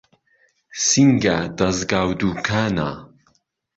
سینگه دهزگا و دوکانه